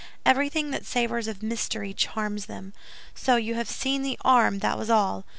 Everything that savors of mystery charms them. So you have seen the arm, that was all.